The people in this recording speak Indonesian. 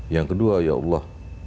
yang kedua ya allah